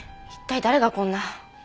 一体誰がこんな？